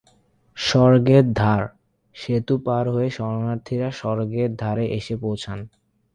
স্বর্গের দ্বার: সেতু পার হয়ে দর্শনার্থীরা স্বর্গের দ্বারে এসে পৌঁছান।